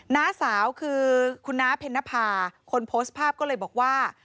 น้าสาวคือคุณน้าเพนภาคนโพสต์ภาพก็เลยบอกว่า